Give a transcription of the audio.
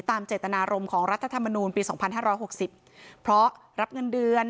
ตามเจตนารมณ์ของรัฐธรรมนูญปีสองพันห้าร้อยหกสิบเพราะรับเงินเดือน